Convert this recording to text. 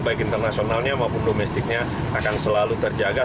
baik internasionalnya maupun domestiknya akan selalu terjaga